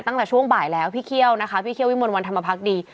ตั้งแต่ช่วงบ่ายแล้วพี่เคี่ยวนะคะพี่เคี่ยววิมลวันธรรมพักดี